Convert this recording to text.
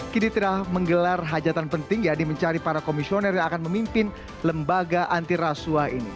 kini telah menggelar hajatan penting ya di mencari para komisioner yang akan memimpin lembaga anti rasuah ini